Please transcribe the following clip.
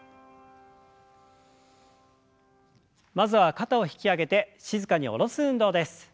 まずは肩を引き上げて静かに下ろす運動です。